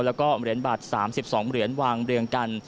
แล้วก็เหรียญบาท๓๒เหรียญวางเรียงกัน